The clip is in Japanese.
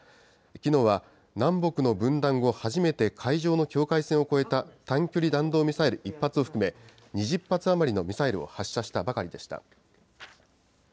きのうは南北の分断後初めて、海上の境界線を越えた短距離弾道ミサイル１発を含め、２０発余りのミサイルを発射したばかりでした。